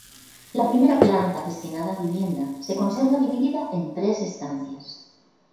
La primera planta, destinada a vivienda, se conserva dividida en tres estancias.